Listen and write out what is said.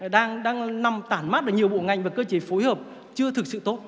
đang nằm tản mát ở nhiều bộ ngành và cơ chế phối hợp chưa thực sự tốt